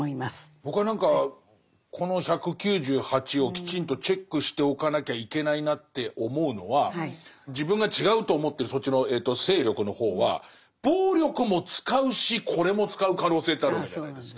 僕は何かこの１９８をきちんとチェックしておかなきゃいけないなって思うのは自分が違うと思ってるそっちの勢力の方は暴力も使うしこれも使う可能性ってあるわけじゃないですか。